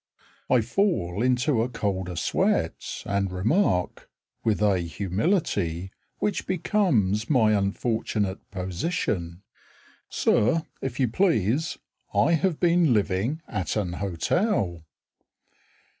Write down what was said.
I fall into a colder sweat And remark, With a humility Which becomes my unfortunate position, "Sir, if you please, I have been living at an hotel."